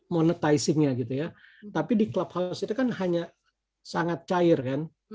monetizingnya gitu ya tapi di clubhouse itu kan hanya sangat cair kan